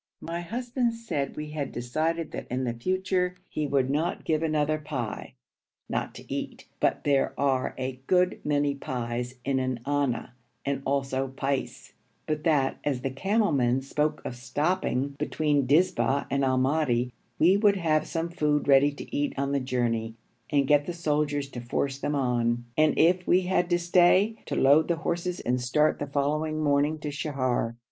My husband said we had decided that in future he would not give another pi (not to eat, but there are a good many pies in an anna and also pice), but that, as the camel men spoke of stopping between Dizba and Al Madi, we would have some food ready to eat on the journey and get the soldiers to force them on; and, if we had to stay, to load the horses and start the following morning to Sheher.